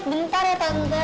bentar ya tante